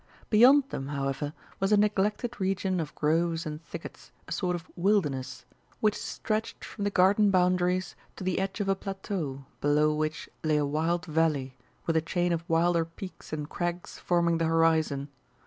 Beyond them, however, was a neglected region of groves and thickets, a sort of Wilderness, which stretched from the Garden boundaries to the edge of a plateau below which lay a wild valley, with a chain of wilder peaks and crags forming the horizon.